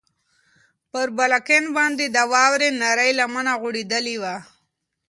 پر بالکن باندې د واورې نرۍ لمنه غوړېدلې وه.